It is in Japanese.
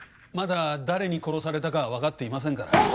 まだ誰に殺されたかはわかっていませんから。